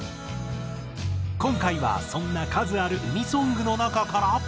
今回はそんな数ある海ソングの中から。